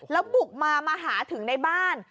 แล้วบุกมามาหาถึงในบ้าน